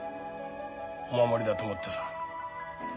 お守りだと思ってさ。